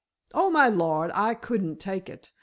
"Oh, my lord, I couldn't take it.